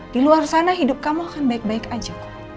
di luar sana hidup kamu akan baik baik aja